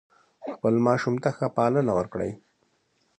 خپل ماشوم ته ښه پالنه ورکوي.